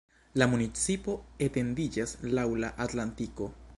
La municipo etendiĝas laŭ la Atlantiko.